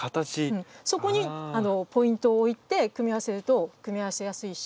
そこにポイントを置いて組み合わせると組み合わせやすいし。